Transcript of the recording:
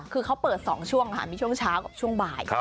คือเขาเปิด๒ช่วงค่ะมีช่วงเช้ากับช่วงบ่าย